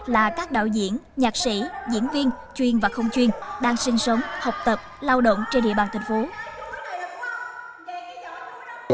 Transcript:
là các đạo diễn nhạc sĩ diễn viên chuyên và không chuyên đang sinh sống học tập lao động trên địa bàn thành phố